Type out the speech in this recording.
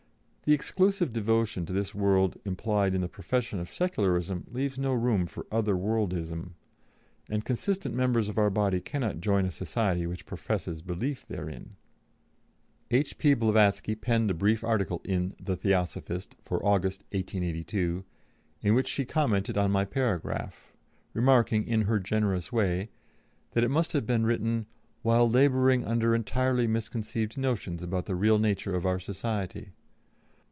The exclusive devotion to this world implied in the profession of Secularism leaves no room for other worldism; and consistent members of our body cannot join a society which professes belief therein." H.P. Blavatsky penned a brief article in the Theosophist for August, 1882, in which she commented on my paragraph, remarking, in her generous way, that it must have been written "while labouring under entirely misconceived notions about the real nature of our society.